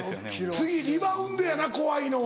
次リバウンドやな怖いのは。